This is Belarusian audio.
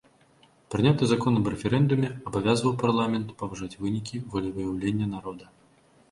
Прыняты закон аб рэферэндуме абавязваў парламент паважаць вынікі волевыяўлення народа.